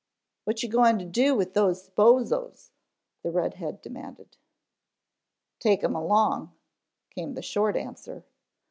"What you going to do with those bozos," the red head demanded. "Take 'em along," came the short answer.